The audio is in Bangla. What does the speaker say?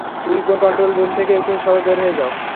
উইপন কন্ট্রোল রুম থেকে এক্ষুনি সবাই বের হয়ে যাও!